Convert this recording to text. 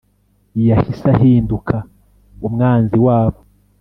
yahise ahinduka umwanzi wabo